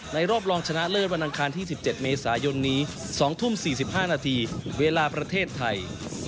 รอบรองชนะเลิศวันอังคารที่๑๗เมษายนนี้๒ทุ่ม๔๕นาทีเวลาประเทศไทย